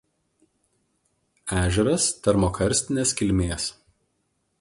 Ežeras termokarstinės kilmės.